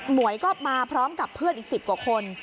หวยก็มาพร้อมกับเพื่อนอีก๑๐กว่าคน